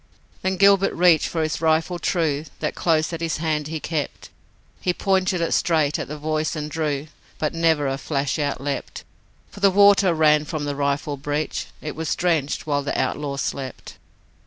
Then Gilbert reached for his rifle true That close at his hand he kept, He pointed it straight at the voice and drew, But never a flash outleapt, For the water ran from the rifle breech It was drenched while the outlaws slept.